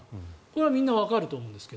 これはみんなわかると思うんですが。